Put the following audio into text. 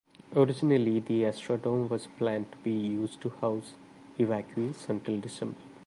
Originally, the Astrodome was planned to be used to house evacuees until December.